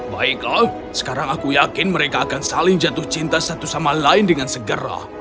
baiklah sekarang aku yakin mereka akan saling jatuh cinta satu sama lain dengan segera